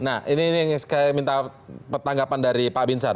nah ini saya minta pertanggapan dari pak bin sar